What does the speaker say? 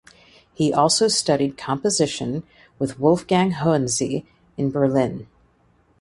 He also studied composition with Wolfgang Hohensee in Berlin.